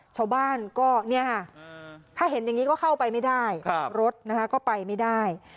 ชาวบ้านก็เนี่ยค่ะถ้าเห็นอย่างนี้ก็เข้าไปไม่ได้รถนะคะก็ไปไม่ได้